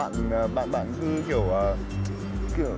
có gì bạn cứ kiểu